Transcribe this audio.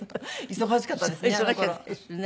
忙しかったですね